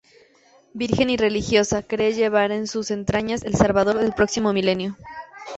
Virgen y religiosa, cree llevar en sus entrañas al salvador del próximo milenio.